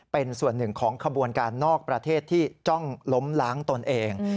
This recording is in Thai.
เป็นส่วนหนึ่งของขบวนการนอกประเทศที่จ้องล้มล้างตนเอง